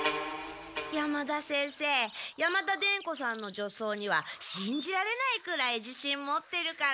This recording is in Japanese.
山田先生山田伝子さんの女装にはしんじられないくらいじしん持ってるから。